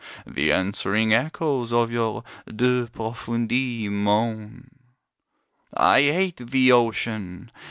The answering echoes of your "De Profundis" moan. I hate thee, Ocean!